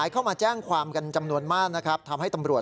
เขากโมยร่ะนะครับคุณฮะ